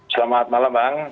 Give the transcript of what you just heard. selamat malam bang